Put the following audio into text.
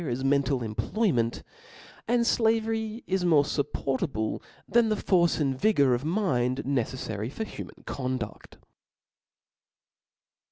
as mental employment ; and flavery is more fupportable than the force and vigor of mind neceflary for human conduct.